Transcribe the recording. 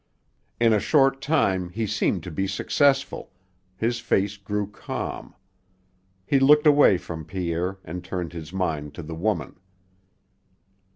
In a short time he seemed to be successful, his face grew calm. He looked away from Pierre and turned his mind to the woman.